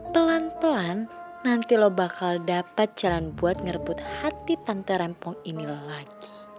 pelan pelan nanti lo bakal dapat jalan buat ngerebut hati tante rempong ini lagi